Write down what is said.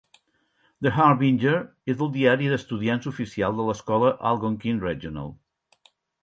"The Harbinger" és el diari d'estudiants oficial de l'escola Algonquin Regional.